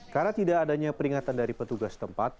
karena tidak adanya peringatan dari petugas tempat